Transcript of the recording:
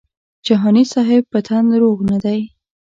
جهاني صاحب په تن روغ نه دی.